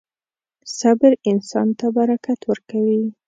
• صبر انسان ته برکت ورکوي.